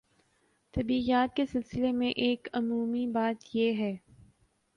طبیعیات کے سلسلے میں ایک عمومی بات یہ ہے